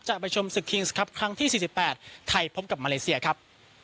จะไปชมศึกคริงส์ครับครั้งที่สี่สิบแปดไทยพบกับมาเลเซียครับ